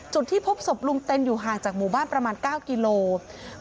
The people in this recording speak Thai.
จุดที่พบศพลุงเต็นอยู่ห่างจากหมู่บ้านประมาณ๙กิโลกรัม